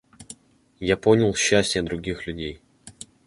Я понял счастье других людей.